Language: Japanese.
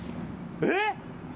えっ！？